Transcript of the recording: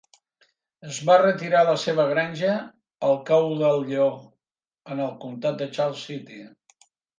Es va retirar a la seva granja, el cau del lleó, en el comtat de Charles City.